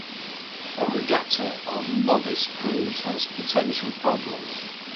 A regatta of novice crews has potential problems.